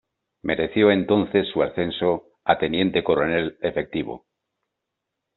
Mereció entonces su ascenso a teniente coronel efectivo.